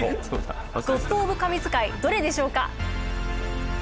ゴッド・オブ・神図解どれでしょうか？